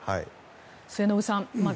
末延さん。